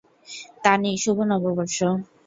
তানি, শুভ নববর্ষ।